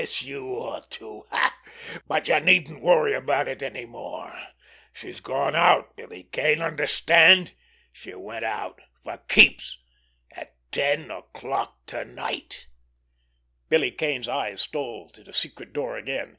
"I guess you'd ought to! But you needn't worry about it any more! She's gone out—Billy Kane—understand? She went out—for keeps—at ten o'clock to night." Billy Kane's eyes stole to the secret door again.